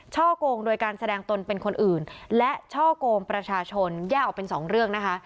กงโดยการแสดงตนเป็นคนอื่นและช่อกงประชาชนแยกออกเป็นสองเรื่องนะคะ